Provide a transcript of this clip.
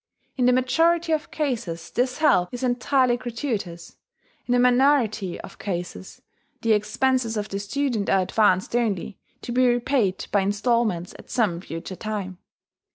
In the majority of cases this help is entirely gratuitous; in a minority of cases, the expenses of the student are advanced only, to be repaid by instalments at some future time.